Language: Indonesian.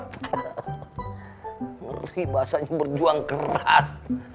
ngeri bahasanya berjuang keras